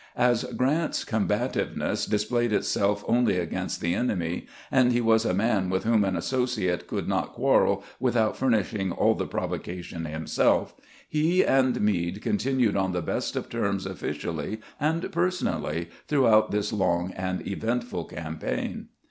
As Q rant's combativeness dis played itself only against the enemy, and he was a man with whom an associate could not quarrel without fur nishing all the provocation himself, he and Meade con tinued on the best of terms officially and personally throughout this long and eventful campaign.